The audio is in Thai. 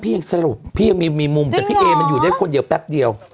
ยังสรุปพี่ยังมีมุมแต่พี่เอมันอยู่ได้คนเดียวแป๊บเดียว